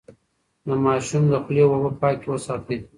د ماشوم د خولې اوبه پاکې وساتئ.